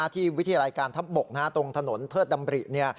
วิทยาลัยการทัพบกตรงถนนเทิดดำริ